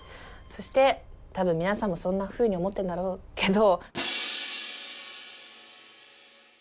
そして多分皆さんもそんなふうに思ってんだろうけど。